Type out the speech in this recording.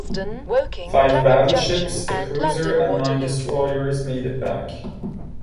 Five battleships, a cruiser and nine destroyers made it back.